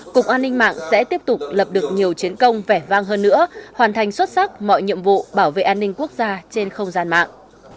cục an ninh mạng sẽ tiếp tục lập được nhiều chiến công vẻ vang hơn nữa hoàn thành xuất sắc mọi nhiệm vụ bảo vệ an ninh quốc gia trên không gian mạng